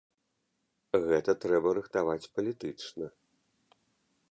Гэта трэба рыхтаваць палітычна.